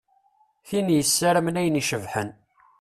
Tin yessaramen ayen icebḥen.